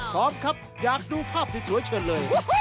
พร้อมครับอยากดูภาพสวยเชิญเลย